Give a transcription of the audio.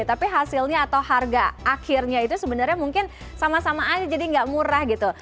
tapi hasilnya atau harga akhirnya itu sebenarnya mungkin sama sama aja jadi gak murah gitu